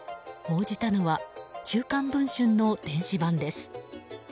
報じたのは「週刊文春」の電子版です。